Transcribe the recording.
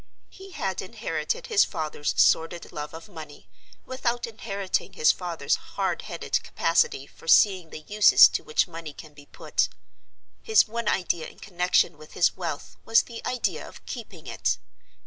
He had inherited his father's sordid love of money, without inheriting his father's hard headed capacity for seeing the uses to which money can be put. His one idea in connection with his wealth was the idea of keeping it.